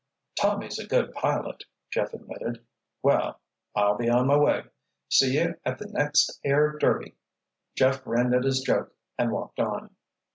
"Tommy's a good pilot," Jeff admitted. "Well—I'll be on my way. See you at the next air Derby!" Jeff grinned at his joke and walked on.